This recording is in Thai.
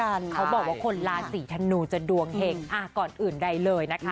อันนี้จริงป่ะเนี่ย